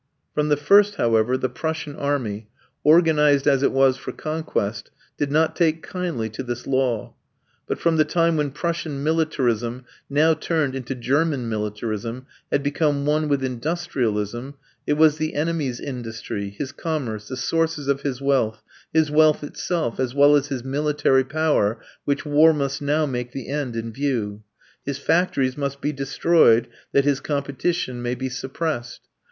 From the first, however, the Prussian army, organized as it was for conquest, did not take kindly to this law. But from the time when Prussian militarism, now turned into German militarism, had become one with industrialism, it was the enemy's industry, his commerce, the sources of his wealth, his wealth itself, as well as his military power, which war must now make the end in view. His factories must be destroyed that his competition may be suppressed.